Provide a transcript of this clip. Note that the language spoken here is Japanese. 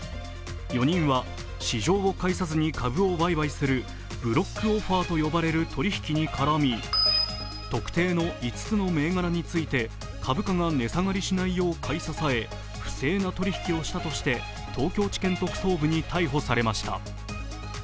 ４人は市場を介さずに株を売買するブロックオファーと呼ばれる取り引きに絡み、特定の５つの銘柄について株価が値下がりしないよう買い支え、不正な取り引きをしたとして東京地検特捜部に逮捕されました。